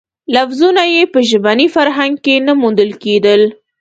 لفظونه یې په ژبني فرهنګ کې نه موندل کېدل.